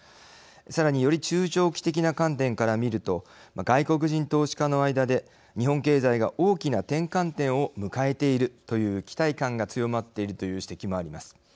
さらにより中長期的な観点から見ると外国人投資家の間で日本経済が大きな転換点を迎えているという期待感が強まっているという指摘もあります。